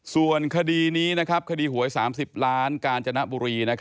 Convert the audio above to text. ส่วนคดีนี้คดีหวย๓๐ล้านกาญจนบุรี